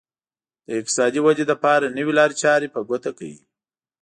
د اقتصادي ودې لپاره نوې لارې چارې په ګوته کوي.